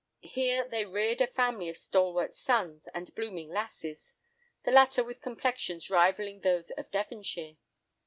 Here they reared a family of stalwart sons, and blooming lasses—the latter with complexions rivalling those of Devonshire.